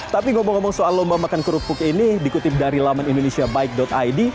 tapi ngomong ngomong soal lomba makan kerupuk ini dikutip dari laman indonesiabaik id